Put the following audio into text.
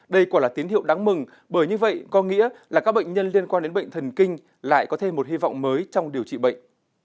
đây quả là tín hiệu đáng mừng bởi như vậy có nghĩa là các bệnh nhân liên quan đến bệnh thần kinh lại có thêm một hy vọng mới trong điều trị bệnh